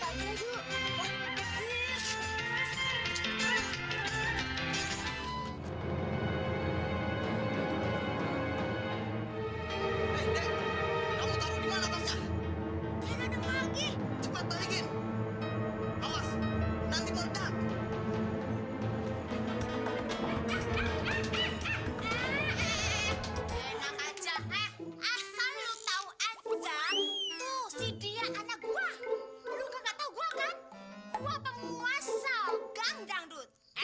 enak aja asal lu tau enjang tuh si dia anak gua lu gak tau gua kan gua penguasa ganggang dud enak